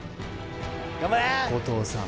古藤さん